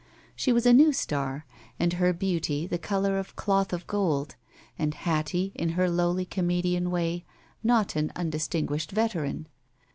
She was a new star and her beauty the color of cloth of gold, and Hattie in her lowly comedian way not an undistinguished veteran.